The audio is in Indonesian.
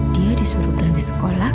dia disuruh berhenti sekolah